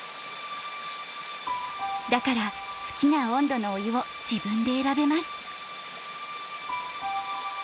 だから好きな温度のお湯を自分で選べます。